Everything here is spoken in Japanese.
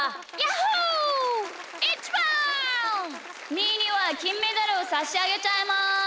みーにはきんメダルをさしあげちゃいます！